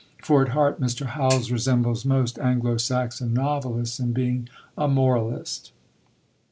For, at heart, Mr. Howells resembles most Anglo Saxon novelists in being a moralist.